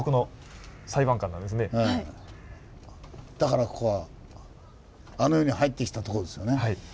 だからここはあの世に入ってきたとこですよね。